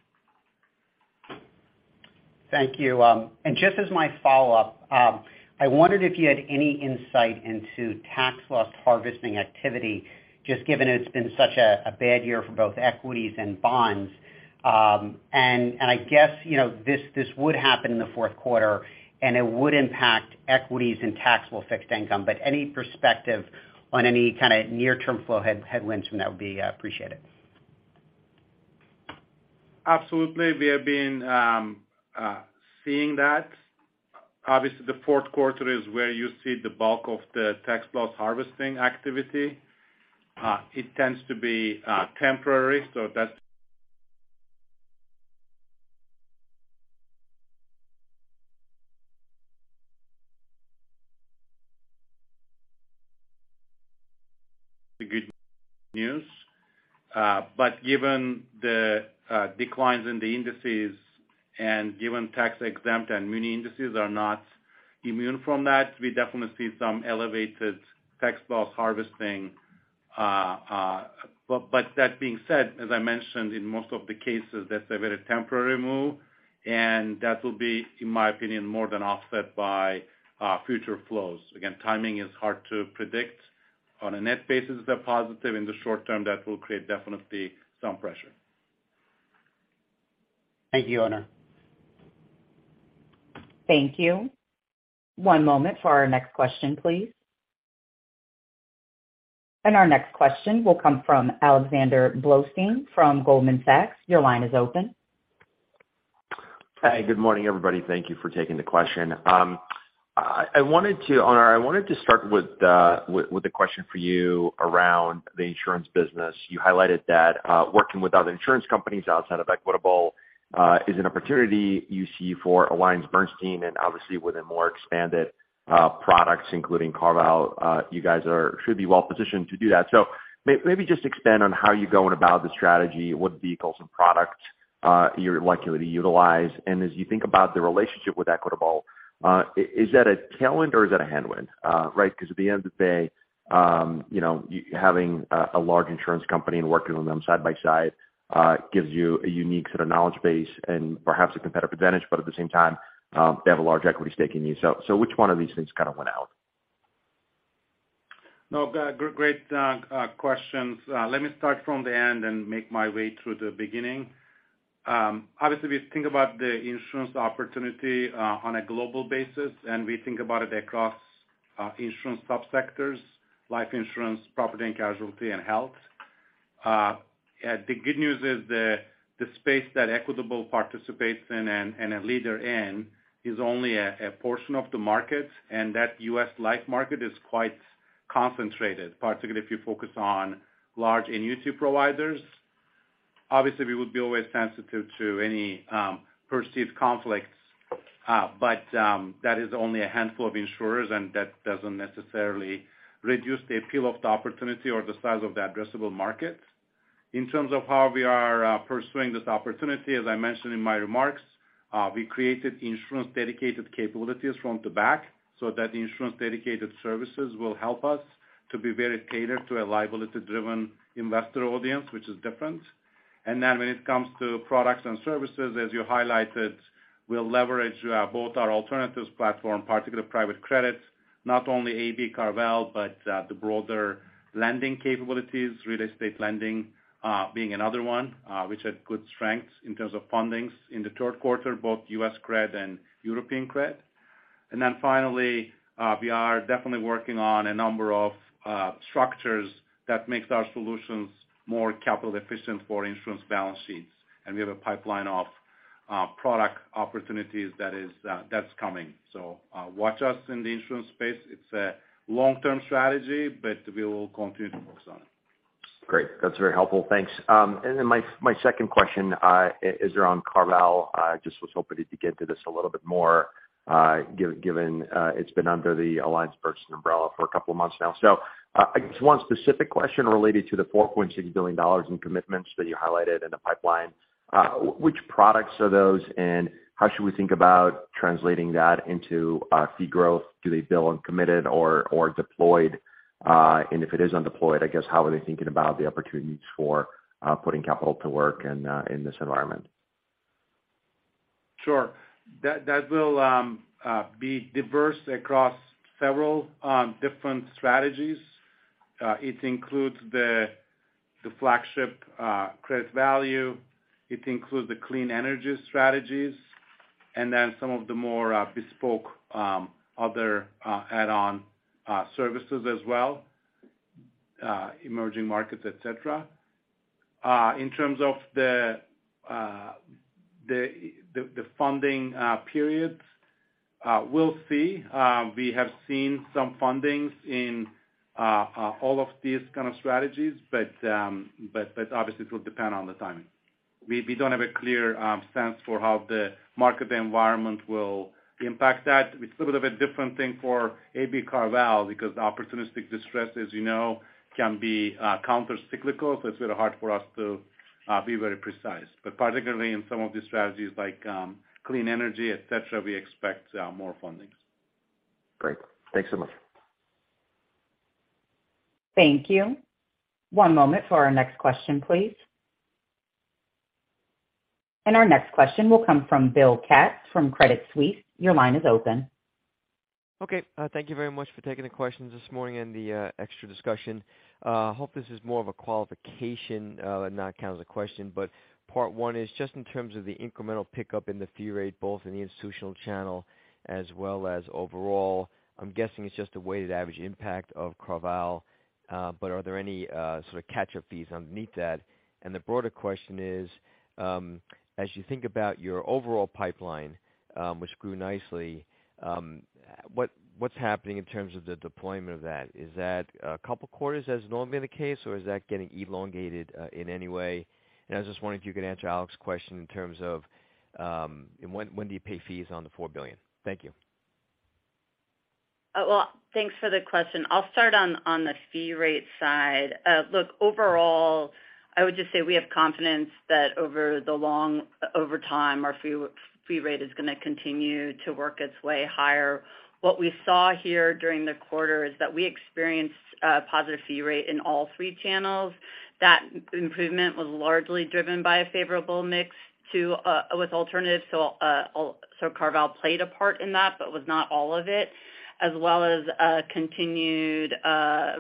Thank you. Just as my follow-up, I wondered if you had any insight into tax loss harvesting activity, just given it's been such a bad year for both equities and bonds. I guess, you know, this would happen in the Q4, and it would impact equities and taxable fixed income, but any perspective on any kinda near-term flow headwinds from that would be appreciated. Absolutely. We have been seeing that. Obviously, the Q4 is where you see the bulk of the tax loss harvesting activity. It tends to be temporary, so that's....the good news. Given the declines in the indices and given tax-exempt and muni indices are not immune from that, we definitely see some elevated tax loss harvesting. That being said, as I mentioned, in most of the cases, that's a very temporary move, and that will be, in my opinion, more than offset by future flows again, timing is hard to predict. On a net basis, they're positive in the short term, that will create definitely some pressure. Thank you, Onur. Thank you. One moment for our next question, please. Our next question will come from Alexander Blostein from Goldman Sachs. Your line is open. Hi. Good morning, everybody thank you for taking the question. Onur, I wanted to start with a question for you around the insurance business you highlighted that working with other insurance companies outside of Equitable is an opportunity you see for AllianceBernstein and obviously with a more expanded products, including carve-out, you guys should be well positioned to do that. Maybe just expand on how you're going about the strategy, what vehicles and products you're likely to utilize. As you think about the relationship with Equitable, is that a tailwind or is that a headwind? Right, 'cause at the end of the day, you know, having a large insurance company and working with them side by side gives you a unique sort of knowledge base and perhaps a competitive advantage at the same time, they have a large equity stake in you so which one are these things kind of went out? No, great questions. Let me start from the end and make my way through the beginning. Obviously, we think about the insurance opportunity on a global basis, and we think about it across insurance subsectors, life insurance, property and casualty, and health. The good news is the space that Equitable participates in and a leader in is only a portion of the market, and that U.S. life market is quite concentrated, particularly if you focus on large entity providers. Obviously, we would be always sensitive to any perceived conflicts, but that is only a handful of insurers, and that doesn't necessarily reduce the appeal of the opportunity or the size of the addressable market. In terms of how we are pursuing this opportunity, as I mentioned in my remarks, we created insurance-dedicated capabilities from the back office so that the insurance-dedicated services will help us to be very catered to a liability-driven investor audience, which is different. When it comes to products and services, as you highlighted, we'll leverage both our alternatives platform, particularly private credits, not only AB CarVal, but the broader lending capabilities, real estate lending, being another one, which had good strengths in terms of fundings in the Q3, both US CRE and European CRE. We are definitely working on a number of structures that makes our solutions more capital efficient for insurance balance sheets, and we have a pipeline of product opportunities that is coming. Watch us in the insurance space it's a long-term strategy, but we will continue to focus on it. Great. That's very helpful thanks. My second question is around CarVal. I just was hoping if you could get into this a little bit more, given it's been under the AllianceBernstein umbrella for a couple of months now. I guess one specific question related to the $4.6 billion in commitments that you highlighted in the pipeline. Which products are those, and how should we think about translating that into fee growth? Do they bill uncommitted or deployed? If it is undeployed, I guess, how are they thinking about the opportunities for putting capital to work in this environment? Sure. That will be diverse across several different strategies. It includes the flagship Credit Value. It includes the clean energy strategies and then some of the more bespoke other add-on services as well, emerging markets, et cetera. In terms of the funding periods, we'll see. We have seen some fundings in all of these kind of strategies, but obviously it will depend on the timing. We don't have a clear sense for how the market environment will impact that. It's a little bit different thing for AB CarVal because opportunistic distress, as you know, can be countercyclical it's a bit hard for us to be very precise. Particularly in some of these strategies like clean energy, et cetera, we expect more fundings. Great. Thanks so much. Thank you. One moment for our next question, please. Our next question will come from Bill Katz from Credit Suisse. Your line is open. Okay. Thank you very much for taking the questions this morning and the extra discussion. Hope this is more of a qualification and not count as a question. Part one is just in terms of the incremental pickup in the fee rate, both in the institutional channel as well as overall. I'm guessing it's just a weighted average impact of CarVal, but are there any sort of catch-up fees underneath that? The broader question is.. As you think about your overall pipeline, which grew nicely, what's happening in terms of the deployment of that? Is that a couple quarters as has normally been the case, or is that getting elongated in any way? I was just wondering if you could answer Alex's question in terms of when do you pay fees on the $4 billion? Thank you. Well, thanks for the question. I'll start on the fee rate side. Look, overall, I would just say we have confidence that over time, our fee rate is gonna continue to work its way higher. What we saw here during the quarter is that we experienced a positive fee rate in all three channels. That improvement was largely driven by a favorable mix, with alternatives..CarVal played a part in that, but was not all of it, as well as continued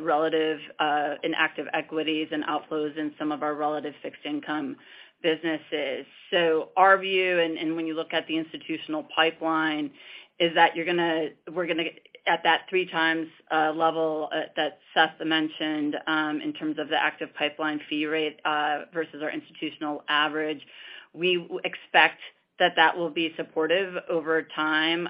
relatively inactive equities and outflows in some of our retail fixed income businesses. Our view and when you look at the institutional pipeline, is that we're gonna get at that three times level that Seth mentioned in terms of the active pipeline fee rate versus our institutional average. We expect that that will be supportive over time.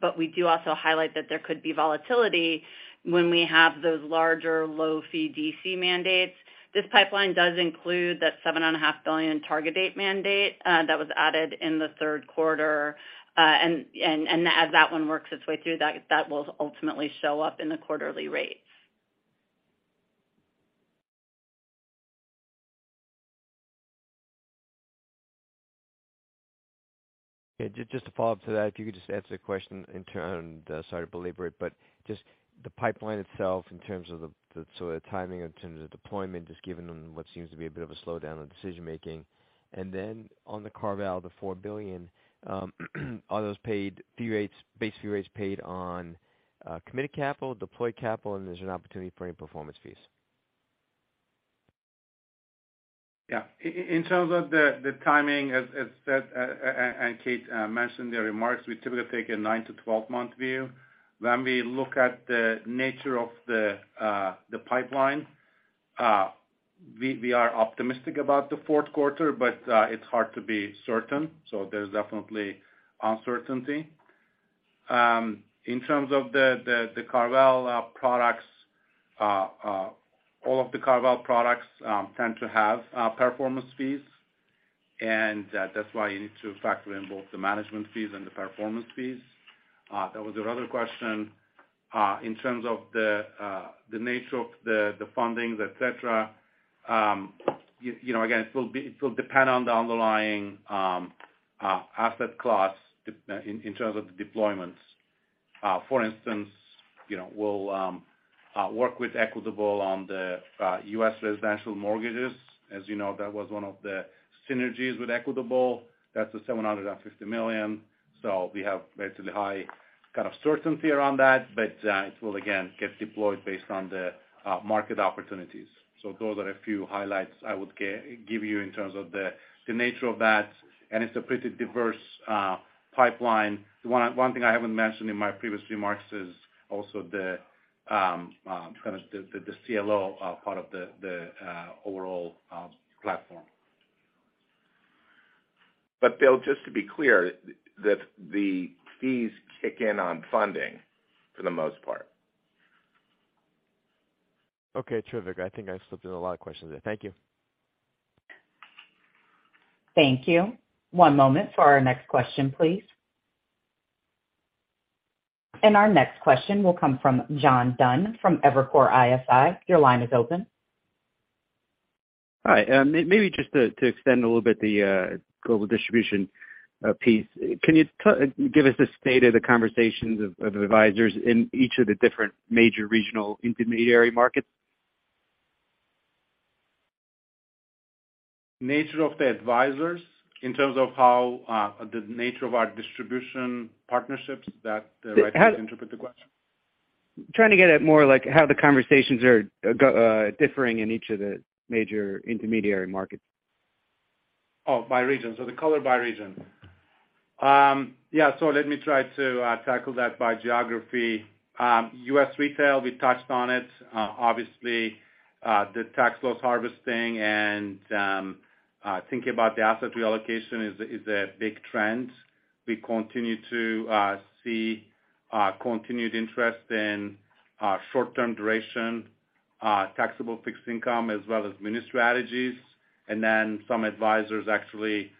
But we do also highlight that there could be volatility when we have those larger low fee DC mandates. This pipeline does include that $7.5 billion target date mandate that was added in the Q3. And as that one works its way through that will ultimately show up in the quarterly rates. Okay just to follow up to that, if you could just answer the question in terms, sorry to belabor it, but just the pipeline itself in terms of the sort of timing, in terms of deployment, just given what seems to be a bit of a slowdown in decision making. Then on the CarVal, the $4 billion, are those paid fee rates, base fee rates paid on, committed capital, deployed capital, and there's an opportunity for any performance fees? Yeah. In terms of the timing, as Seth and Kate mentioned the remarks, we typically take a nine to 12 month view. When we look at the nature of the pipeline, we are optimistic about the Q4, but it's hard to be certain. There's definitely uncertainty. In terms of the CarVal products, all of the CarVal products tend to have performance fees, and that's why you need to factor in both the management fees and the performance fees. There was another question in terms of the nature of the fundings, et cetera. You know, again, it will depend on the underlying asset class in terms of the deployments. For instance, you know, we'll work with Equitable on the US residential mortgages. As you know, that was one of the synergies with Equitable. That's the $750 million. We have relatively high kind of certainty around that, but it will again get deployed based on the market opportunities. Those are a few highlights I would give you in terms of the nature of that, and it's a pretty diverse pipeline. The one thing I haven't mentioned in my previous remarks is also the kind of the CLO part of the overall platform. Bill, just to be clear, the fees kick in on funding for the most part. Okay, terrific. I think I still have a lot of questions there. Thank you. Thank you. One moment for our next question, please. Our next question will come from John Dunn from Evercore ISI. Your line is open. Hi. Maybe just to extend a little bit the global distribution piece. Can you give us the state of the conversations of advisors in each of the different major regional intermediary markets? Nature of the advisors in terms of how, the nature of our distribution partnerships, that, did I interpret the question? Trying to get at more like how the conversations are differing in each of the major intermediary markets. Oh, by region so the color by region. Yeah, so let me try to tackle that by geography. U.S. retail, we touched on it. Obviously, the tax loss harvesting and thinking about the asset reallocation is a big trend. We continue to see continued interest in short-term duration taxable fixed income as well as Muni strategies. Then some advisors actually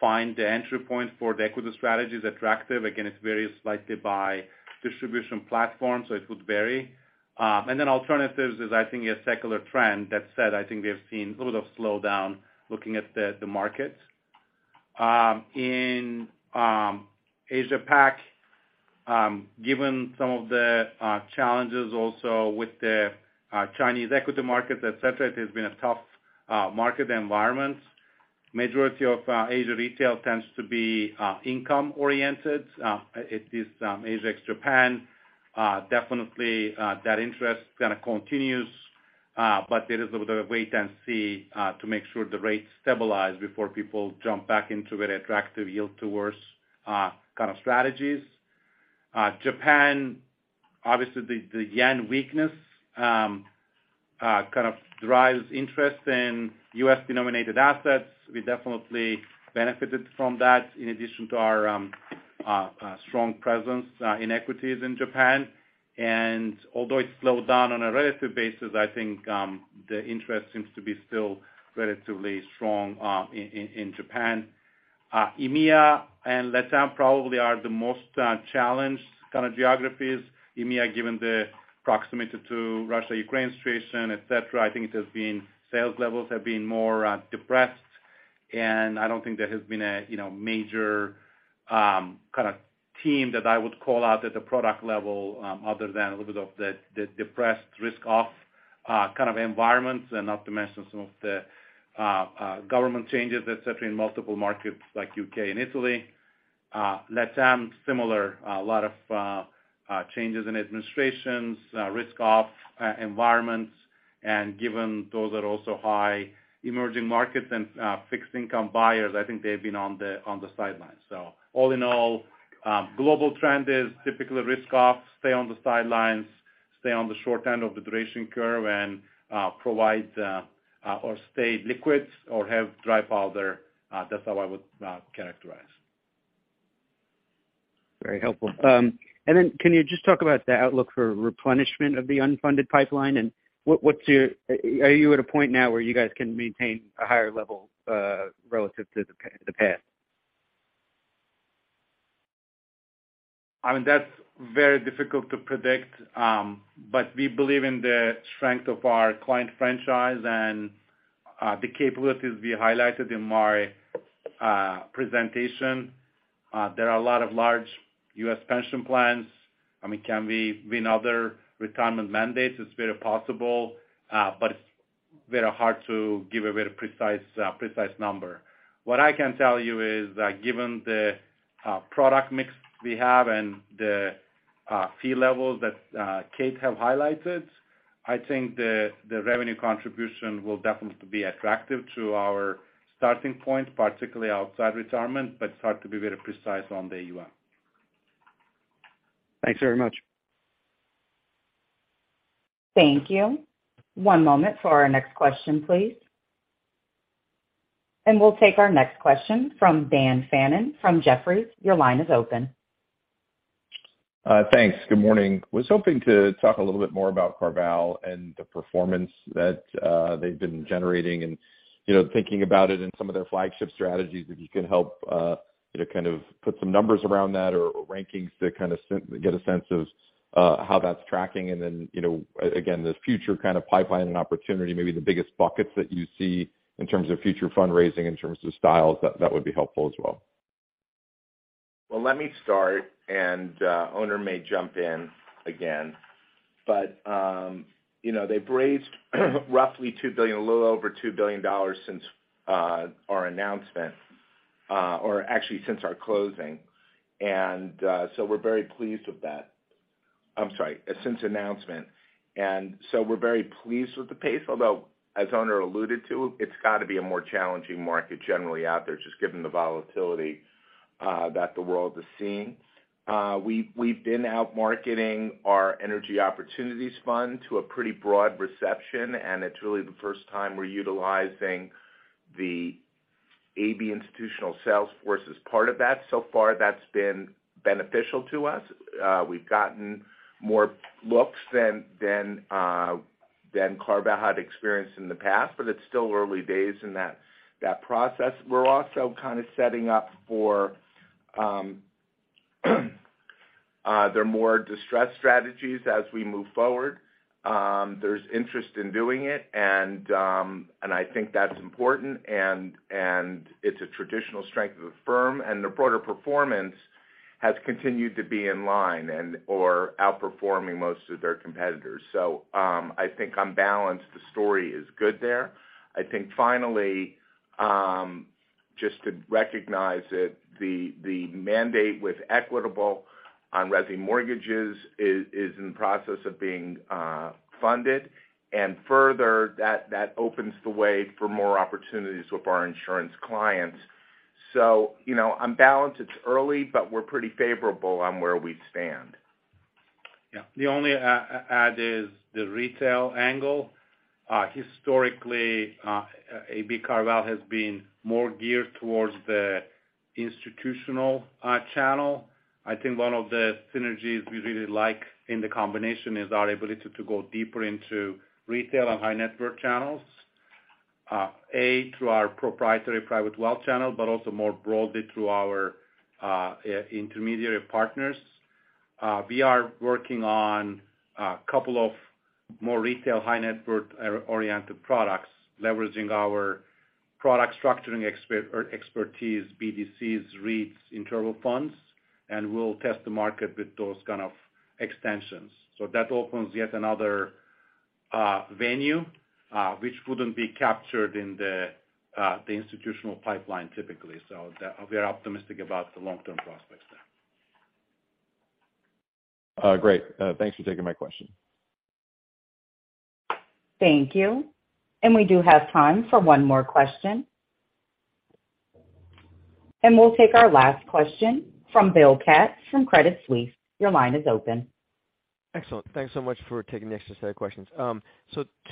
find the entry point for the equity strategies attractive again, it varies slightly by distribution platform, so it would vary. Then alternatives is, I think, a secular trend that said, I think we have seen a little slowdown looking at the markets. In Asia Pac, given some of the challenges also with the Chinese equity market, et cetera, it has been a tough market environment. Majority of Asia retail tends to be income-oriented. It is Asia ex Japan, definitely, that interest kind of continues, but there is a little bit of wait and see to make sure the rates stabilize before people jump back into very attractive yield-to-worst kind of strategies. Japan, obviously the yen weakness. Kind of drives interest in US-denominated assets, we definitely benefited from that in addition to our strong presence in equities in Japan. Although it slowed down on a relative basis, I think, the interest seems to be still relatively strong in Japan. EMEA and LATAM probably are the most challenged kind of geographies. EMEA, given the proximity to Russia-Ukraine situation, et cetera, I think it has been, sales levels have been more depressed. I don't think there has been a you know major kind of theme that I would call out at the product level other than a little bit of the depressed risk off kind of environments, and not to mention some of the government changes, et cetera, in multiple markets like U.K. and Italy. LatAm, similar, a lot of changes in administrations, risk off environments, and given those are also high emerging markets and fixed income buyers, I think they've been on the sidelines. All in all, global trend is typically risk off, stay on the sidelines, stay on the short end of the duration curve and provide or stay liquid or have dry powder. That's how I would characterize. Very helpful. Then can you just talk about the outlook for replenishment of the unfunded pipeline and are you at a point now where you guys can maintain a higher level relative to the past? I mean, that's very difficult to predict, but we believe in the strength of our client franchise and the capabilities we highlighted in my presentation. There are a lot of large U.S. pension plans. I mean, can we win other retirement mandates? It's very possible, but it's very hard to give a very precise number. What I can tell you is that given the product mix we have and the fee levels that Kate have highlighted, I think the revenue contribution will definitely be attractive to our starting point, particularly outside retirement, but it's hard to be very precise on the AUM. Thanks very much. Thank you. One moment for our next question, please. We'll take our next question from Dan Fannon from Jefferies. Your line is open. Thanks. Good morning. Was hoping to talk a little bit more about CarVal and the performance that they've been generating and, you know, thinking about it in some of their flagship strategies, if you could help, you know, kind of put some numbers around that or rankings to kind of get a sense of How that's tracking, and then, you know, again, this future kind of pipeline and opportunity, maybe the biggest buckets that you see in terms of future fundraising, in terms of styles, that would be helpful as well. Well, let me start, and Onur may jump in again, but you know, they've raised roughly $2 billion, a little over $2 billion since our announcement, or actually since our closing. We're very pleased with that. I'm sorry, since announcement. We're very pleased with the pace although, as Onur Erzan alluded to, it's gotta be a more challenging market generally out there, just given the volatility that the world is seeing. We've been out marketing our energy opportunities fund to a pretty broad reception, and it's really the first time we're utilizing the AB Institutional sales force as part of that so far, that's been beneficial to us. We've gotten more looks than CarVal had experienced in the past, but it's still early days in that process we're also kind of setting up for there are more distressed strategies as we move forward. There's interest in doing it, and I think that's important. It's a traditional strength of the firm, and the broader performance has continued to be in line and/or outperforming most of their competitors. I think on balance, the story is good there. I think finally, just to recognize that the mandate with Equitable on resi mortgages is in the process of being funded. Further, that opens the way for more opportunities with our insurance clients. You know, on balance, it's early, but we're pretty favorable on where we stand. Yeah. The only add is the retail angle. Historically, AB CarVal has been more geared towards the institutional channel. I think one of the synergies we really like in the combination is our ability to go deeper into retail and high net worth channels. A, through our proprietary private wealth channel, but also more broadly through our intermediary partners. We are working on a couple of more retail high net worth oriented products, leveraging our product structuring or expertise BDCs, REITs, interval funds, and we'll test the market with those kind of extensions. That opens yet another venue, which wouldn't be captured in the institutional pipeline typically we are optimistic about the long-term prospects there. Great. Thanks for taking my question. Thank you. We do have time for one more question. We'll take our last question from Bill Katz from Credit Suisse. Your line is open. Excellent. Thanks so much for taking the extra set of questions.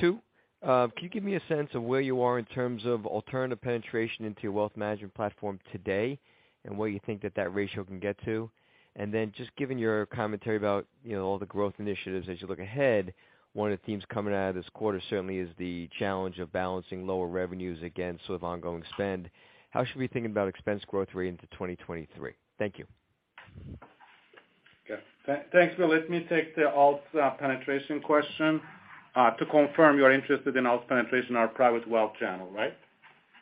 Two, can you give me a sense of where you are in terms of alternative penetration into your wealth management platform today and where you think that that ratio can get to? Just given your commentary about, you know, all the growth initiatives as you look ahead, one of the themes coming out of this quarter certainly is the challenge of balancing lower revenues against sort of ongoing spend. How should we be thinking about expense growth rate into 2023? Thank you. Okay. Thanks, Will let me take the alts penetration question. To confirm, you're interested in alts penetration in our private wealth channel, right?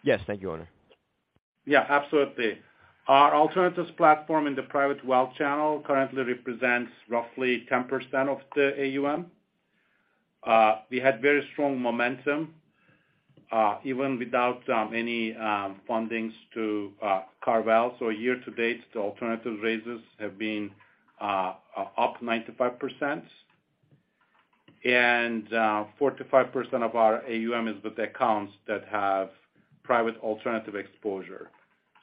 Yes. Thank you, Onur Erzan. Yeah, absolutely. Our alternatives platform in the private wealth channel currently represents roughly 10% of the AUM. We had very strong momentum, even without any fundings to CarVal year to date, the alternative raises have been up 95%. And 45% of our AUM is with accounts that have private alternative exposure.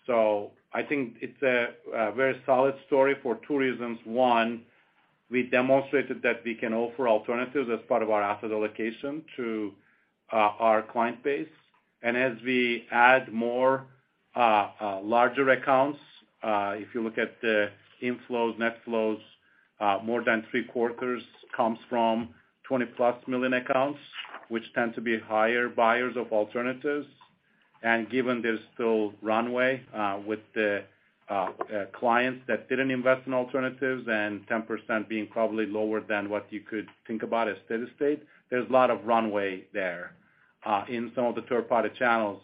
I think it's a very solid story for two reasons one, we demonstrated that we can offer alternatives as part of our asset allocation to our client base. As we add more larger accounts, if you look at the inflows, net flows, more than three-quarters comes from 20-plus million accounts, which tend to be higher buyers of alternatives. Given there's still runway with the clients that didn't invest in alternatives and 10% being probably lower than what you could think about as steady state, there's a lot of runway there. In some of the third-party channels,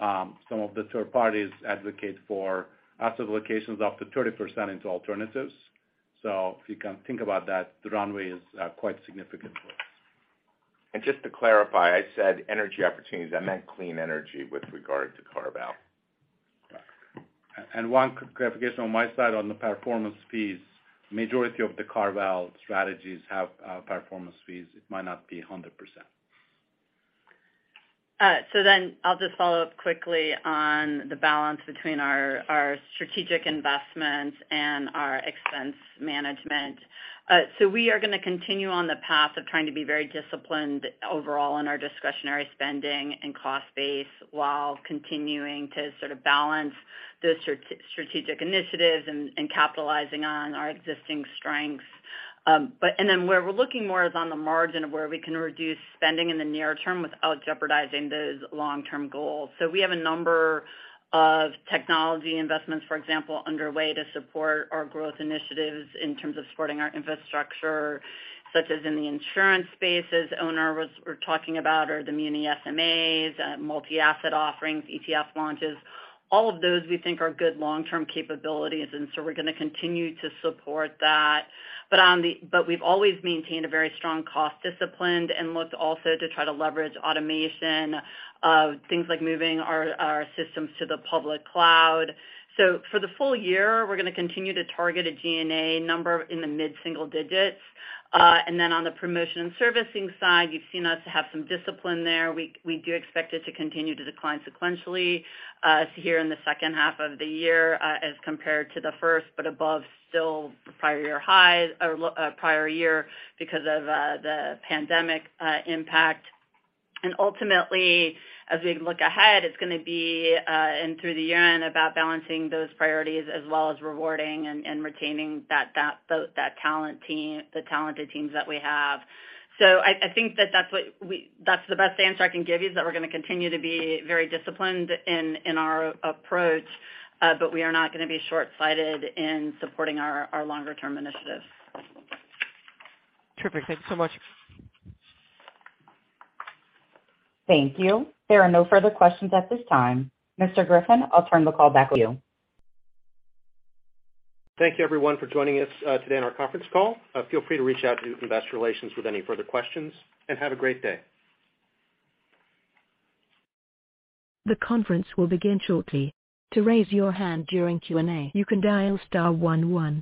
some of the third parties advocate for asset allocations of up to 30% into alternatives. If you can think about that, the runway is quite significant for us. Just to clarify, I said energy opportunities i meant clean energy with regard to CarVal. One clarification on my side on the performance fees. Majority of the CarVal strategies have performance fees it might not be 100%. I'll just follow up quickly on the balance between our strategic investments and our expense management. We are gonna continue on the path of trying to be very disciplined overall in our discretionary spending and cost base while continuing to sort of balance the strategic initiatives and capitalizing on our existing strengths. Where we're looking more is on the margin of where we can reduce spending in the near term without jeopardizing those long-term goals. We have a number of technology investments, for example, underway to support our growth initiatives in terms of supporting our infrastructure, such as in the insurance space, as Onur Erzan was talking about, or the muni SMAs, multi-asset offerings, ETF launches. All of those we think are good long-term capabilities, and we're gonna continue to support that. We've always maintained a very strong cost discipline and looked also to try to leverage automation, things like moving our systems to the public cloud. For the full year, we're gonna continue to target a G&A number in the mid-single digits. Then on the promotion and servicing side, you've seen us have some discipline there we do expect it to continue to decline sequentially, so here in the second half of the year, as compared to the first, but still above the prior year because of the pandemic impact. Ultimately, as we look ahead, it's gonna be and through the year-end about balancing those priorities as well as rewarding and retaining that talent team, the talented teams that we have. I think that that's the best answer i can give you, is that we're gonna continue to be very disciplined in our approach, but we are not gonna be short-sighted in supporting our longer term initiatives. Terrific. Thank you so much. Thank you. There are no further questions at this time. Mr. Griffin, I'll turn the call back to you. Thank you, everyone, for joining us, today on our conference call. Feel free to reach out to Investor Relations with any further questions, and have a great day. The conference will begin shortly. To raise your hand during Q&A, you can dial star one one.